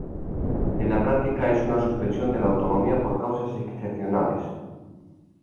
En la práctica es una suspensión de la autonomía por causas excepcionales.